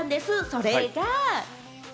それが！